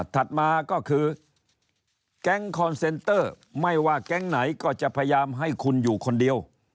ถัดมาก็คือแก๊งคอนเซนเตอร์ไม่ว่าแก๊งไหนก็จะพยายามให้คุณอยู่คนเดียว